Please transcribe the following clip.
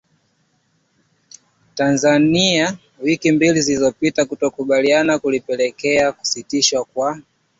Tanzania wiki mbili zilizopita kutokukubaliana kulipelekea kusitishwa kwa